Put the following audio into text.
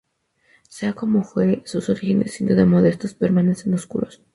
Sea como fuere, sus orígenes, sin duda modestos, permanecen oscuros.